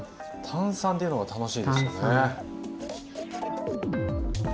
炭酸というのが楽しいですよね。